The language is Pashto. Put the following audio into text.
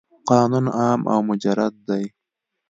قانون عام او مجرد دی.